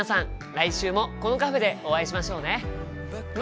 来週もこのカフェでお会いしましょうね。